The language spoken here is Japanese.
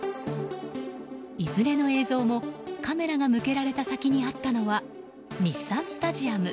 いずれの映像も、カメラが向けられた先にあったのは日産スタジアム。